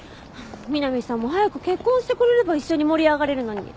みなみさんも早く結婚してくれれば一緒に盛り上がれるのに。